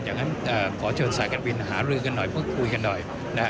อย่างนั้นขอเชิญสายการบินหารือกันหน่อยพูดคุยกันหน่อยนะฮะ